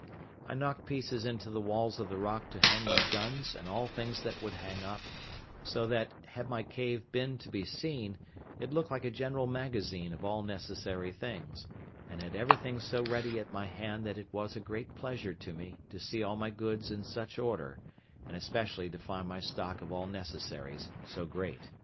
I knocked pieces into the wall of the rock to hang my guns and all things that would hang up; so that, had my cave been to be seen, it looked like a general magazine of all necessary things; and had everything so ready at my hand, that it was a great pleasure to me to see all my goods in such order, and especially to find my stock of all necessaries so great.